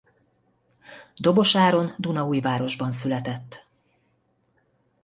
Dobos Áron Dunaújvárosban született.